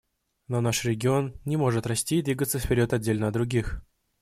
Но наш регион не может расти и двигаться вперед отдельно от других.